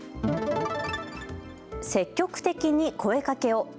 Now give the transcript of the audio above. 積極的に声かけを。